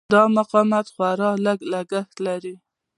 دا مقاومت خورا لږ لګښت لري.